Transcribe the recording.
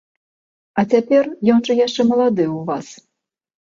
А цяпер ён жа яшчэ малады ў вас.